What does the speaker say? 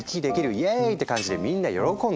イェーイ！」って感じでみんな喜んだの。